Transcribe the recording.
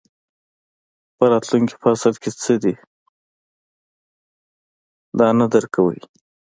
په راتلونکي فصل کې څه دي دا نه درک کوئ.